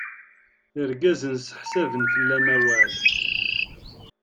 Irgazen seḥsaben fell-am awal.